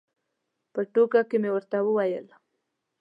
په ټوکه مې ورته وویل.